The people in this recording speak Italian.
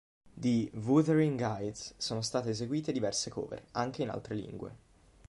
Di "Wuthering Heights" sono state eseguite diverse "cover", anche in altre lingue.